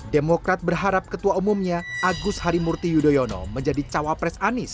demokrat berharap ketua umumnya agus harimurti yudhoyono menjadi cawapres anies